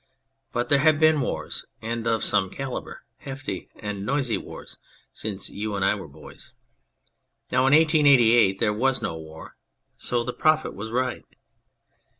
But there have been wars, and of some calibre hefty and noisy wars since you and I were boys. Now in 1888 there was no war. So the Prophet was right.